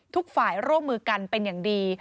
ทุกฝ่ายร่วมมือกันเป็นอย่างดี